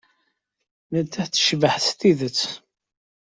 Nettat tecbeḥ s tidet.